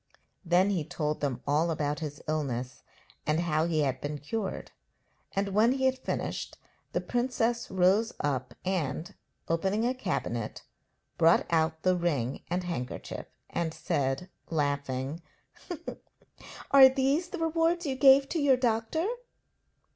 Then he told them all about his illness, and how he had been cured, and when he had finished the princess rose up and, opening a cabinet, brought out the ring and handkerchief, and said, laughing: 'Are these the rewards you gave to your doctor?'